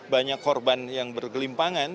banyak korban yang bergelimpangan